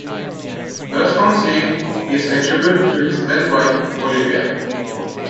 The restaurant's name is a tribute to his then-wife, Olivia.